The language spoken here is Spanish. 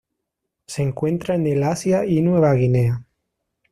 Se encuentra en el Asia y Nueva Guinea.